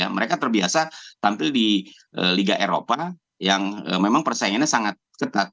mereka terbiasa tampil di liga eropa yang memang persaingannya sangat ketat